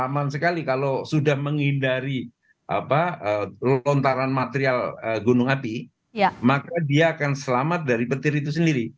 aman sekali kalau sudah menghindari lontaran material gunung api maka dia akan selamat dari petir itu sendiri